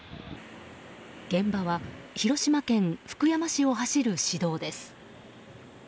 現場は広島県福山市を走る市道です。